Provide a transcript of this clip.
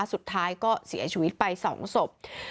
สุดท้ายก็เสียชีวิตไป๒ศพ